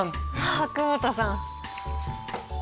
あ久保田さん。